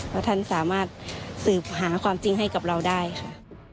แล้วท่านสามารถสืบหาความจริงให้กับเราได้ค่ะ